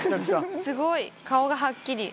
すごい顔がはっきり。